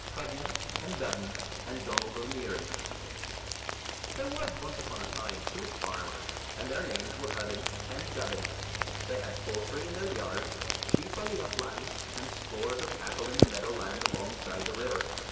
HUDDEN AND DUDDEN AND DONALD O'NEARY There was once upon a time two farmers, and their names were Hudden and Dudden. They had poultry in their yards, sheep on the uplands, and scores of cattle in the meadow land alongside the river.